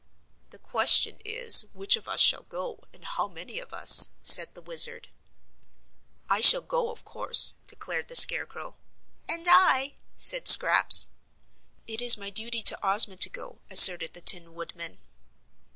"The question is which of us shall go, and how many of us?" said the Wizard. "I shall go of course," declared the Scarecrow. "And I," said Scraps. "It is my duty to Ozma to go," asserted the Tin Woodman.